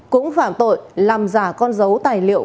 cũng phạm tội làm giả con dấu tài liệu